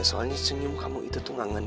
soalnya senyum kamu itu tuh gak ngenin